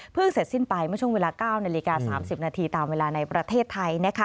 เสร็จสิ้นไปเมื่อช่วงเวลา๙นาฬิกา๓๐นาทีตามเวลาในประเทศไทย